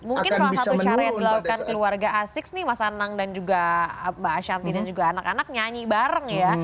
mungkin salah satu cara yang dilakukan keluarga asik nih mas anang dan juga mbak ashanti dan juga anak anak nyanyi bareng ya